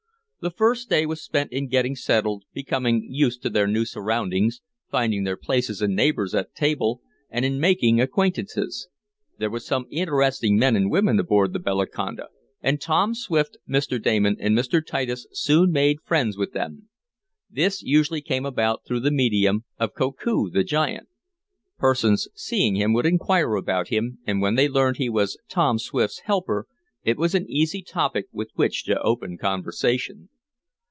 The first day was spent in getting settled, becoming used to their new surroundings, finding their places and neighbors at table, and in making acquaintances. There were some interesting men and women aboard the Bellaconda, and Tom Swift, Mr. Damon and Mr. Titus soon made friends with them. This usually came about through the medium of Koku, the giant. Persons seeing him would inquire about him, and when they learned he was Tom Swift's helper it was an easy topic with which to open conversation.